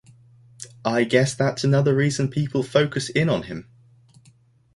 I guess that's another reason people focus in on him.